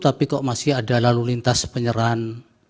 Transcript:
tapi kok masih ada lalu lintas penyerahan